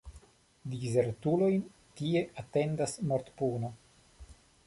Dizertulojn tie atendas mortpuno.